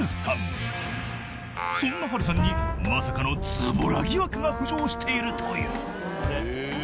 ［そんな波瑠さんにまさかのずぼら疑惑が浮上しているという］